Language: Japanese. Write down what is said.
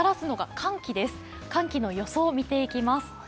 寒気の予想を見ていきます。